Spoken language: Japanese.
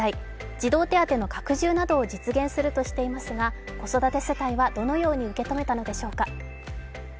児童手当の拡充などを実現するとしていますが、子育て世帯はどのように受け止めたのでしょうか。